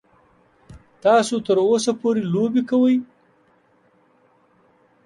تاسو تر اوسه پورې لوبې کوئ.